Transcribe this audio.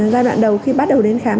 giai đoạn đầu khi bắt đầu đến khám